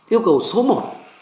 yêu cầu số bộ